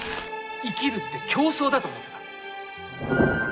生きるって競争だと思ってたんです。